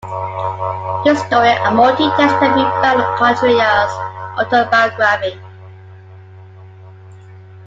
This story and more details can be found in Contreras' autobiography.